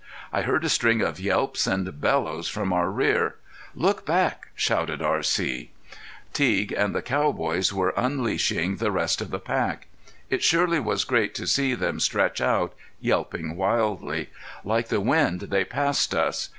I heard a string of yelps and bellows from our rear. "Look back!" shouted R.C. Teague and the cowboys were unleashing the rest of the pack. It surely was great to see them stretch out, yelping wildly. Like the wind they passed us.